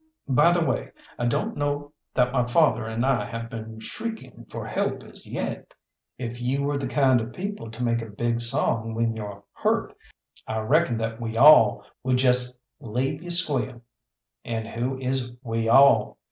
By the way, I don't know that my father and I have been shrieking for help as yet." "If you were the kind of people to make a big song when yo're hurt, I reckon that we all would jest leave you squeal." "And who is we all?